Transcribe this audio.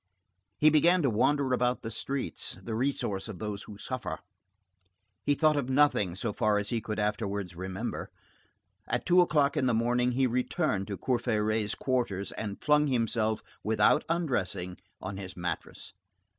He began to wander about the streets, the resource of those who suffer. He thought of nothing, so far as he could afterwards remember. At two o'clock in the morning he returned to Courfeyrac's quarters and flung himself, without undressing, on his mattress.